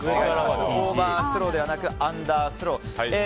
オーバースローではなくアンダースローです。